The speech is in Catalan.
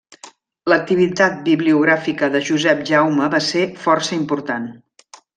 L'activitat bibliogràfica de Josep Jaume va ser força important.